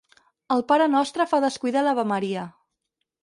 El parenostre fa descuidar l'avemaria.